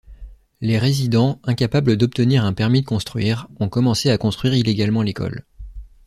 Les résidents, incapables d'obtenir un permis de construire, ont commencé à construire illégalement l'école.